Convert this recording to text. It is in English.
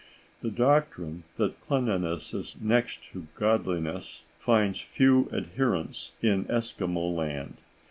The doctrine that cleanliness is next to godliness finds few adherents in Eskimo land.